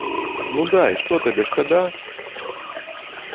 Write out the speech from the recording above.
Ну дай, што табе, шкада?